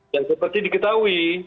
dan seperti diketahui